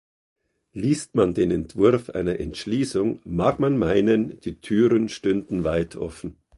Liest man den Entwurf einer Entschließung, mag man meinen, die Türen stünden weit offen.